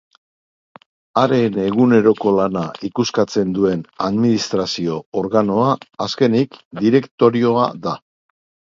Haren eguneroko lana ikuskatzen duen administrazio-organoa, azkenik, direktorioa da.